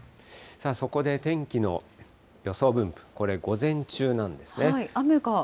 そこで天気の予想分布、これ、午前中なんですね。